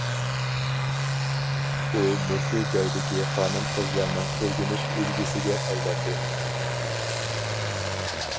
ئۇ مۇشۇ جايدىكى خانىم قىزلارنىڭ ئۆگىنىش ئۈلگىسىگە ئايلاندى.